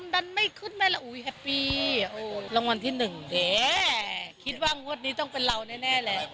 เดี๋ยวคิดว่างวดนี้ต้องเป็นเราแน่แหละ